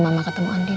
mama ketemu andin kan